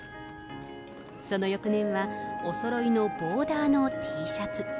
その翌年はおそろいのボーダーのＴシャツ。